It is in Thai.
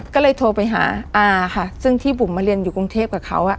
ก็เลยโทรไปหาอาค่ะซึ่งที่บุ๋มมาเรียนอยู่กรุงเทพกับเขา